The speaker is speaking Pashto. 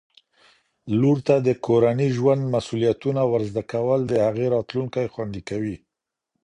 لور ته د کورني ژوند مسؤلیتونه ور زده کول د هغې راتلونکی خوندي کوي